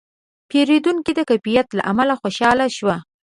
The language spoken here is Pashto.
پیرودونکی د کیفیت له امله خوشاله شو.